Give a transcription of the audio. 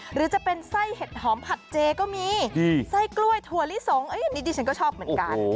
หรือจะเป็นไส้เห็ดหอมผัดเจก็มีไส้กล้วยถั่วลิสงอันนี้ดิฉันก็ชอบเหมือนกัน